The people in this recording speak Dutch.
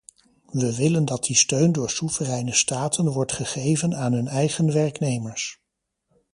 We willen dat die steun door soevereine staten wordt gegeven aan hun eigen werknemers.